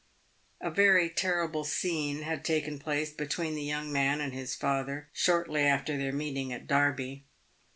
A very terrible scene had taken place between the young man and his father shortly after their meeting at Derby.